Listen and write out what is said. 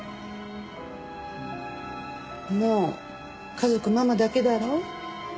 もう家族ママだけだろ？